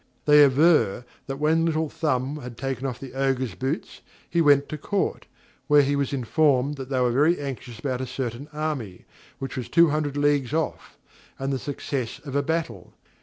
They aver, that, when Little Thumb had taken off the Ogre's boots, he went to Court, where he was informed that they were very anxious about a certain army, which was two hundred leagues off, and the success of a battle.